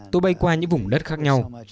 tôi bay qua những vùng đất khác nhau